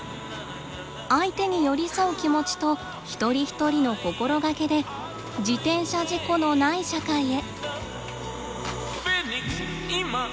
相手に寄り添う気持ちと一人一人の心がけで自転車事故のない社会へ。